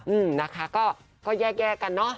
อืมนะคะก็แยกแยกกันเนอะ